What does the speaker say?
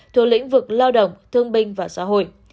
thuộc lĩnh vực lao động thương binh và xã hội